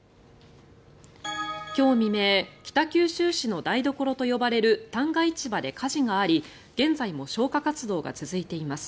今日未明北九州市の台所と呼ばれる旦過市場で火事があり現在も消火活動が続いています。